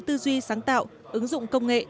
tư duy sáng tạo ứng dụng công nghệ